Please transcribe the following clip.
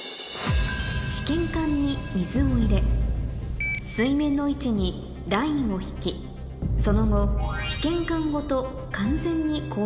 試験管に水を入れ水面の位置にラインを引きその後完全にお！